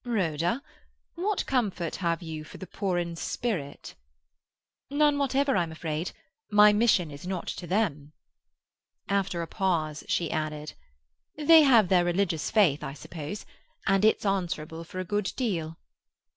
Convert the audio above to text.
"Rhoda, what comfort have you for the poor in spirit?" "None whatever, I'm afraid. My mission is not to them." After a pause, she added,— "They have their religious faith, I suppose; and it's answerable for a good deal."